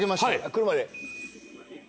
来るまで！